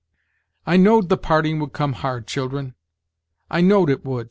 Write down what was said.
"I knowed the parting would come hard, children I knowed it would!"